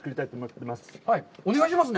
お願いしますね。